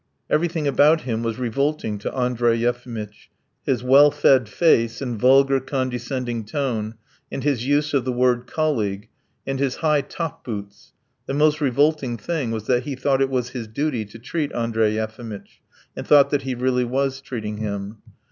Everything about him was revolting to Andrey Yefimitch his well fed face and vulgar, condescending tone, and his use of the word "colleague," and his high top boots; the most revolting thing was that he thought it was his duty to treat Andrey Yefimitch, and thought that he really was treating him.